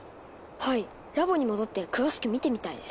はいラボに戻って詳しくみてみたいです。